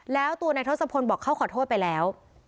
แล้วตัวนายทศพลบอกเขาขอโทษไปแล้ว